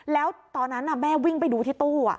แล้วตอนนั้นแม่วิ่งไปดูที่ตู้